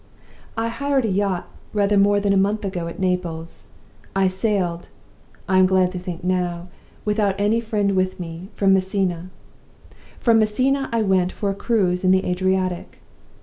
"I hired a yacht rather more than a month ago at Naples; and sailed (I am glad to think now) without any friend with me, for Messina. From Messina I went for a cruise in the Adriatic.